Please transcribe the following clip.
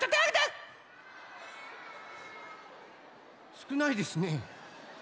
すくないですね。